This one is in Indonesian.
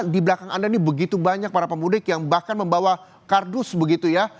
di belakang anda ini begitu banyak para pemudik yang bahkan membawa kardus begitu ya